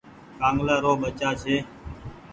ڪآنگلآ رو بچآ ڇي۔